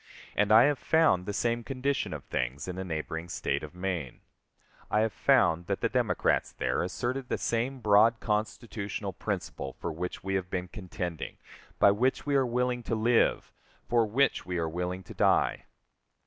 And I have found the same condition of things in the neighboring State of Maine. I have found that the Democrats there asserted the same broad constitutional principle for which we have been contending, by which we are willing to live, for which we are willing to die!